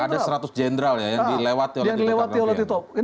ada seratus jendral ya yang dilewati oleh tito karnapian